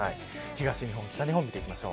東日本、北日本です。